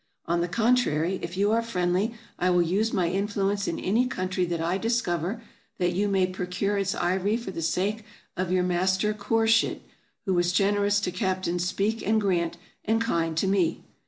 On the contrary, if you are friendly, I will use my influence in any country that I discover, that you may pro cure its ivory for the sake of your master Koorshid, who was generous to Captains Speke and Grant, and kind to me.